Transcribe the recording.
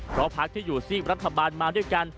เพราะพักที่อยู่ซีกรัฐบาลมาด้วยกัน